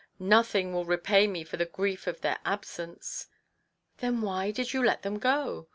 " Nothing will repay me for the grief of their absence !"" Then why did you let them go